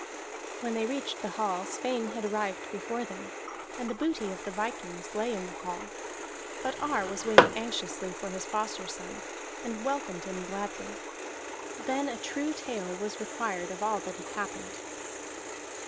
When they reached the hall Sweyn had arrived before them, and the booty of the vikings lay in the hall; but Ar was waiting anxiously for his foster son, and welcomed him gladly. Then a true tale was required of all that had happened.